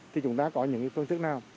thì chúng ta có những cái phương thức nào